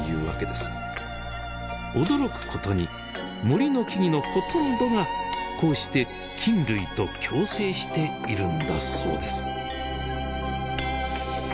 驚くことに森の木々のほとんどがこうして菌類と共生しているんだそうです。